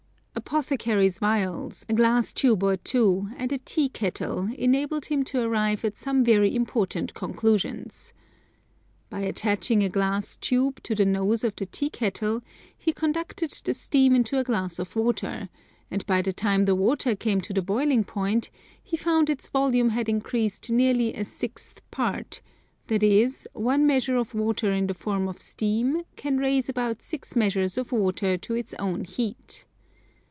Apothecaries' vials, a glass tube or two, and a tea kettle enabled him to arrive at some very important conclusions. By attaching a glass tube to the nose of the tea kettle he conducted the steam into a glass of water, and by the time the water came to the boiling point, he found its volume had increased nearly a sixth part; that is, one measure of water in the form of steam can raise about six measures of water to its own heat.